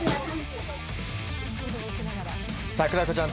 桜子ちゃん